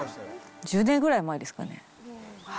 １０年ぐらい前ですかね。